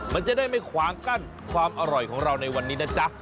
มันจะได้ไม่ขวางกั้นความอร่อยของเราในวันนี้นะจ๊ะ